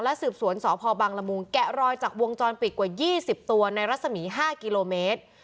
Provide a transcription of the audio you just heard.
และสืบสวนศพบางละมุงแกะรอยจากวงจรปิดกว่ายี่สิบตัวในรัศมีห้ากิโลเมตร